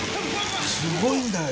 すごいんだよ